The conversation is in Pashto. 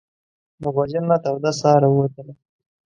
له غوجل نه توده ساه راووتله.